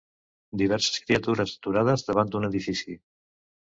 Diverses criatures aturades davant d'un edifici.